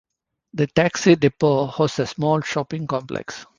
The taxi depot hosts a small shopping complex.